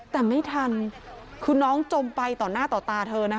แต่ไม่ทันคือน้องจมไปต่อหน้าต่อตาเธอนะคะ